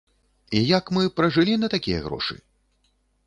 І як мы пражылі на такія грошы?